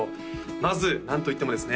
まず何といってもですね